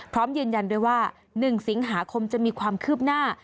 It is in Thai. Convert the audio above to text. พร้อมยืนยันด้วยว่า๑สิงหาคมจะมีความคืบหน้า